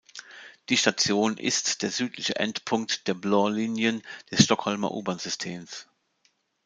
Die Station ist der südliche Endpunkt der Blå linjen des Stockholmer U-Bahn-Systems.